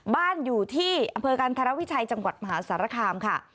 บ้านอยู่ที่อำเภอกันธรวิชัยจังหวัดมหาสารคามค่ะ